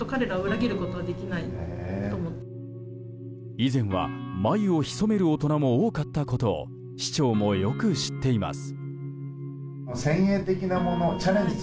以前は眉をひそめる大人も多かったことを市長もよく知っています。